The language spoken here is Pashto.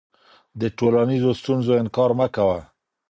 د ټولنیزو ستونزو انکار مه کوه.